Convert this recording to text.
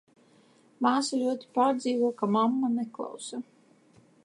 Māsa ļoti pārdzīvo, ka mamma neklausa.